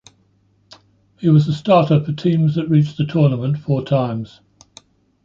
He was a starter for teams that reached the tournament four times.